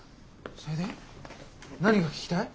それで？何が聞きたい？